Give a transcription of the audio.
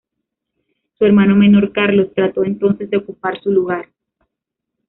Su hermano menor Carlos trató entonces de ocupar su lugar.